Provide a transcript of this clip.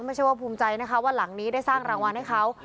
ไม่ใช่ว่าภูมิใจนะคะว่าหลังนี้ได้สร้างรางวัลให้เขา